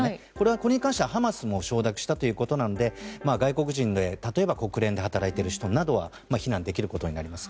これに関しては、ハマスも承諾したということなので外国人で例えば国連で働いている人などは避難できることになります。